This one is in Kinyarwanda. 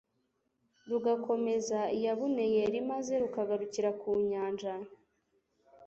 rugakomeza i yabuneyeli maze rukagarukira ku nyanja